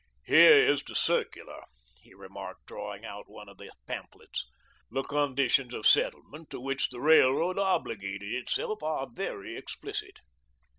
"Here is the circular," he remarked, drawing out one of the pamphlets. "The conditions of settlement to which the railroad obligated itself are very explicit."